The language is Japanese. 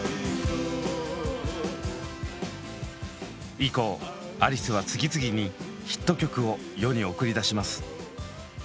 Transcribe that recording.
以降アリスは次々にヒット曲を世に送り出します。